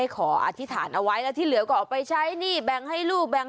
เขาว่ายังไงบ้าง